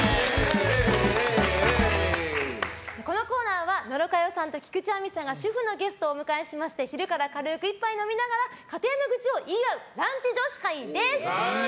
このコーナーは野呂佳代さんと菊地亜美さんが主婦のゲストをお迎えしまして昼から軽く一杯飲みながら家庭の愚痴を言い合うランチ女子会です！